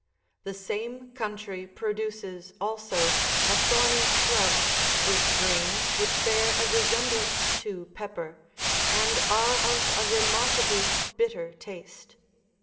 The same country pro duces, also, a thorny shrub, with grains which bear a resem blance to pepper, and are of a remarkably bitter taste.